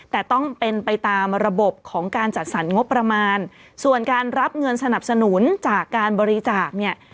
แต่ต้องเป็นไปตามระบบของการจัดสรรงบประมาณส่วนการรับเงินสนับสนุนจากการบริจาคเนี่ย